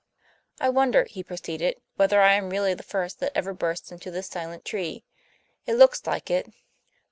"I wonder," he proceeded, "whether I am really the first that ever burst into this silent tree. It looks like it.